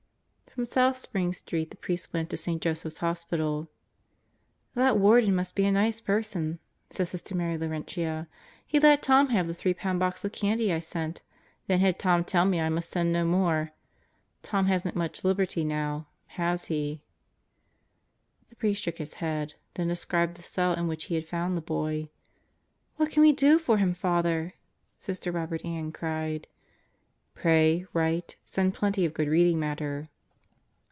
From South Spring Street the priest went to St. Joseph's Hospital. "That Warden must be a very nice person/ 3 said Sister Mary Laurentia. "He let Tom have the three pound box of candy I sent; 'then had Tom tell me I must send no more. Tom hasn't much liberty now, has he?" The priest shook his head, then described the cell in which he had found the boy. "What can we do for him, Father?" Sister Robert Ann cried. "Pray, write, send plenty of good reading matter."